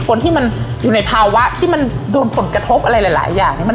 คนที่มันอยู่ในภาวะที่มันโดนผลกระทบอะไรหลายอย่างเนี่ย